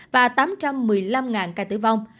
và tám trăm một mươi năm ca mắc